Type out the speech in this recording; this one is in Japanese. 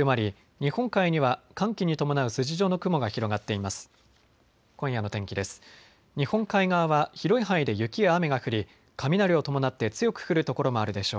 日本海側は広い範囲で雪や雨が降り雷を伴って強く降る所もあるでしょう。